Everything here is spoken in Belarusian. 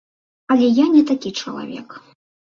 Але я не такі чалавек.